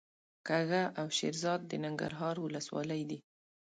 کږه او شیرزاد د ننګرهار ولسوالۍ دي.